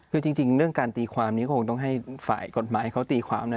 คือจริงเรื่องการตีความนี้ก็คงต้องให้ฝ่ายกฎหมายเขาตีความนะ